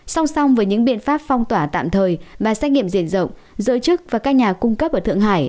song song với những biện pháp phong tỏa tạm thời và xét nghiệm diện rộng giới chức và các nhà cung cấp ở thượng hải